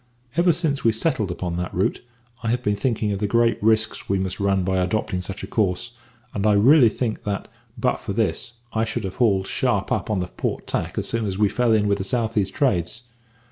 Ever since we settled upon that route, I have been thinking of the great risks we must run by adopting such a course, and I really think that, but for this, I should have hauled sharp up upon the port tack as soon as we fell in with the south east trades.